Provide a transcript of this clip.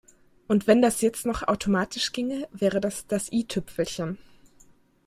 Und wenn das jetzt noch automatisch ginge, wäre das das i-Tüpfelchen.